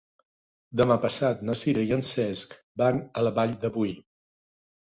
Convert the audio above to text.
Demà passat na Sira i en Cesc van a la Vall de Boí.